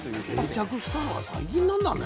定着したのは最近なんだね。